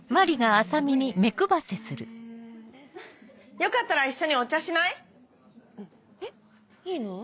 よかったら一緒にお茶しない？えっ？いいの？